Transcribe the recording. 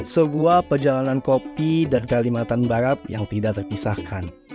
sebuah perjalanan kopi dan kalimantan barat yang tidak terpisahkan